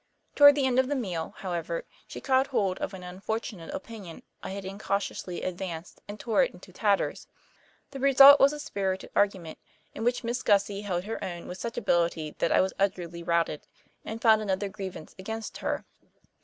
Toward the end of the meal, however, she caught hold of an unfortunate opinion I had incautiously advanced and tore it into tatters. The result was a spirited argument, in which Miss Gussie held her own with such ability that I was utterly routed and found another grievance against her.